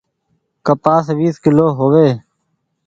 ڪپآس ويس ڪلو هووي۔